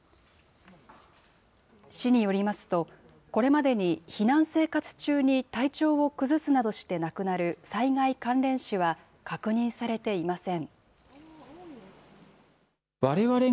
市によりますと、これまでに避難生活中に体調を崩すなどして亡くなる災害関連死は確認されていません。